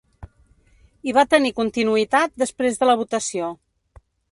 I va tenir continuïtat després de la votació.